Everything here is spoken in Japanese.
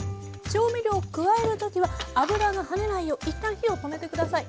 調味料を加える時は脂がはねないよう一旦火を止めて下さい。